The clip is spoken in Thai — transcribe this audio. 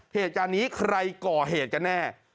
เหตุจารณีใครก่อเหตุจากนี้กันแน่